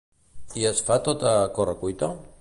I es fa tota a correcuita?